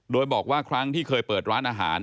โดยบอกว่าครั้งที่เคยเปิดร้านอาหาร